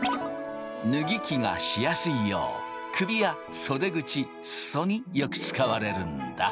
脱ぎ着がしやすいよう首や袖口裾によく使われるんだ。